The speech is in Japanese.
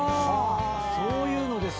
そういうのです！